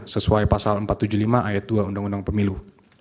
sesuai pasal empat ratus tujuh puluh lima ayat dua undang undang pemilu